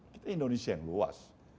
kita indonesia yang luas